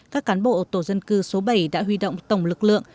các cán bộ tổ dân cư số bảy đã huy động tổng lực lượng